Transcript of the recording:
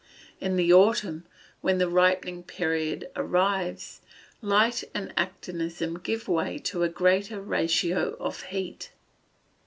In the autumn, when the ripening period arrives, light and actinism give way to a greater ratio of heat.